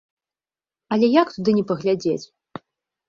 Але як туды не паглядзець.